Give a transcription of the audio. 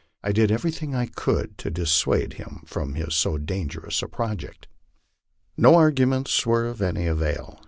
I did everything I could to dissuade him from so dangerous a project. No arguments were of any avail.